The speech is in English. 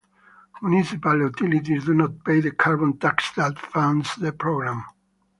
Municipal utilities do not pay the carbon tax that funds the program.